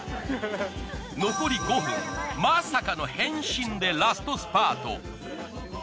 残り５分まさかの変身でラストスパート！